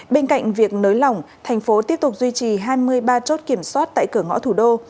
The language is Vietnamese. bên cạnh việc nới lỏng thành phố tiếp tục duy trì hai mươi ba chốt kiểm soát tại cửa ngõ thủ đô